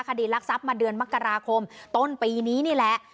คดีรักทรัพย์มาเดือนมกราคมต้นปีนี้นี่แหละ